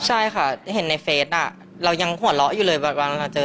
ใช่ค่ะเห็นในเฟซอ่ะเรายังหัวเราะอยู่เลยแบบวันที่เราเจอ